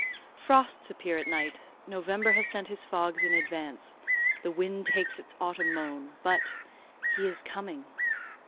Frosts appear at night; November has sent his fogs in advance; the wind takes its autumn moan; but—he is coming.